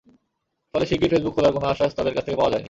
ফলে শিগগির ফেসবুক খোলার কোনো আশ্বাস তাঁদের কাছ থেকে পাওয়া যায়নি।